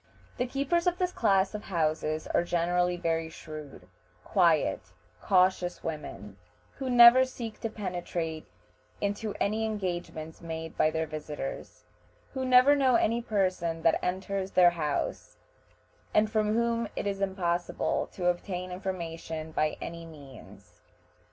The keepers of this class of houses are generally very shrewd, quiet, cautious women, who never seek to penetrate into any engagements made by their visitors, who never know any person that enters their house, and from whom it is impossible to obtain information by any means.